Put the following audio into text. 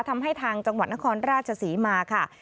ทำให้ทางจังหวัดนครราชศรีมาค่ะ